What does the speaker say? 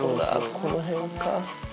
この辺か？